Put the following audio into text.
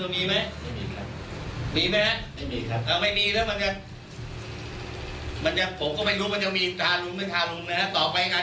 มีแค่ไม่มีครับก็ไม่มีแล้วมากนี้มันจะคนก็ไม่รู้ว่าจะมีทารุนน้ำถ่ายไปกัน